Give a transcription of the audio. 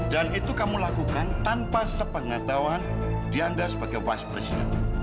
dan itu kamu lakukan tanpa sepengetahuan dianda sebagai vast president